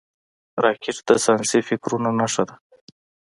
راکټ د ساینسي فکرونو نښه ده